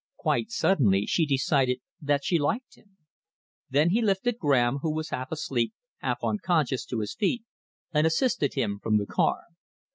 Quite suddenly she decided that she liked him. Then he lifted Graham, who was half asleep, half unconscious, to his feet, and assisted him from the car.